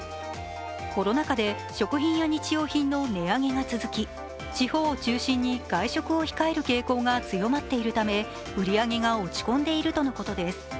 コロナ禍で食品や日用品の値上げが続き地方を中心に外食を控える傾向が強まっているため売り上げが落ち込んでいるとのことです。